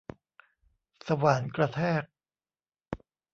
สว่านกระแทก